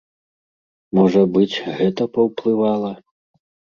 Можа быць, гэта паўплывала.